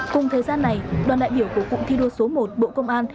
cùng thời gian này đoàn đại biểu của cụm thi đua số một bộ công an